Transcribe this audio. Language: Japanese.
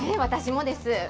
私もです。